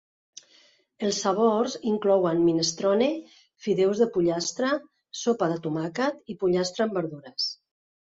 Els sabors inclouen minestrone, fideus de pollastre, sopa de tomàquet i pollastre amb verdures.